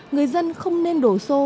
người dân không nên đổ xô